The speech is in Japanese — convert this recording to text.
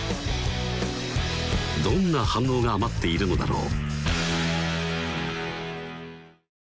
どんな反応が待っているのだろう